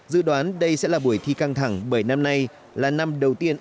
dự đoán đây sẽ là buổi thi căng thẳng bởi năm nay là năm đầu tiên